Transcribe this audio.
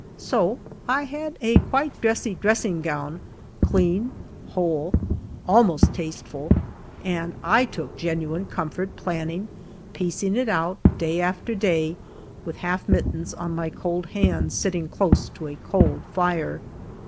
So I had a quite dressy dressing o own — clean, whole — almost tasteful, and I took genuine comfort planning, piecing it out, day after day, with half mittens on my cold hands, sitting close to a cold Are.